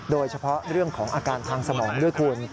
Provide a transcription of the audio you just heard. โดยเฉพาะเรื่องของอาการทางสมองด้วยคุณ